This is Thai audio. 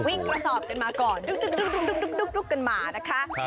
กระสอบกันมาก่อนดุ๊กกันมานะคะ